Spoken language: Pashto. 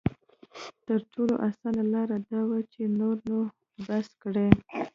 تر ټولو اسانه لاره دا وي چې نور نو بس کړي.